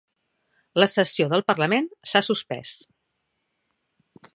La sessió del parlament s'ha suspès